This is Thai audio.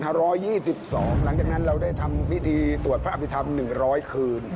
หลังจากนั้นเราได้ทำพิธีสวดพระอภิษฐรรม๑๐๐คืน